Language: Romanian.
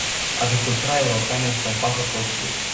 Agricultura europeană este un factor pozitiv.